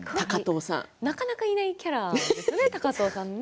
なかなかいないキャラですよね高藤さん。